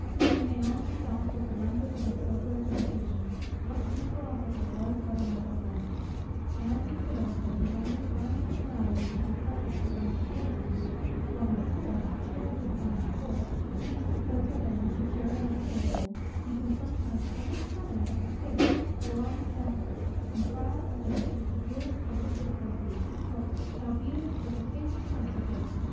He may almost adopt, as the language of his sober exultation, what in the philosopher was but an idle rant: and, considering that it is only the garment of mortality which is subject to the rents of fortune; while his spirit, cheered with the divine support, keeps its place within, secure and unassailable, he can sometimes almost triumph at the stake, or on the scaffold, and cry out amidst the severest buffets of adversity, "Thou beatest but the case of Anaxarchus."